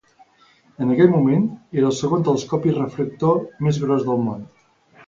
En aquell moment, era el segon telescopi refractor més gros del món.